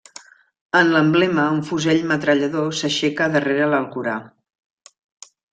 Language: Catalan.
En l'emblema un fusell metrallador s'aixeca darrere l'Alcorà.